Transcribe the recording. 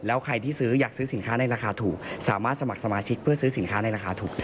แล้วใครที่ซื้อยากซื้อสินค้าในราคาถูก